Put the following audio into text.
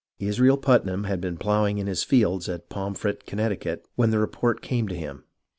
Israel Putnam had been ploughing in his fields at Pomfret, Connecticut, when the report came to him.